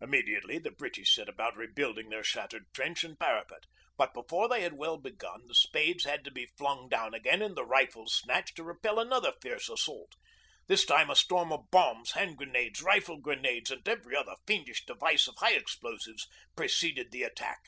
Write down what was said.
Immediately the British set about rebuilding their shattered trench and parapet; but before they had well begun the spades had to be flung down again and the rifles snatched to repel another fierce assault. This time a storm of bombs, hand grenades, rifle grenades, and every other fiendish device of high explosives, preceded the attack.